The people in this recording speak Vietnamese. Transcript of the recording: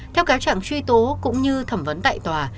theo cáo trạng truy tố cũng như thẩm vấn tại tòa